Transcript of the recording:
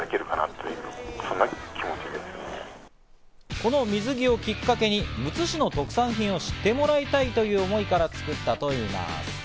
この水着をきっかけに、むつ市の特産品を知ってもらいたいという思いから作ったといいます。